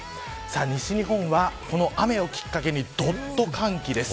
西日本は雨をきっかけに、どんと寒気です。